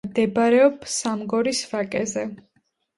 მდებარეობს სამგორის ვაკეზე.